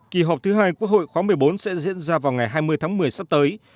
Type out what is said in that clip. kỳ họp thứ hai quốc hội khóa một mươi bốn sẽ diễn ra vào ngày hai mươi tháng một mươi sắp tới